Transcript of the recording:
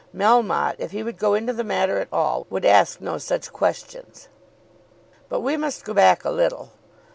Melmotte, if he would go into the matter at all, would ask no such questions. But we must go back a little.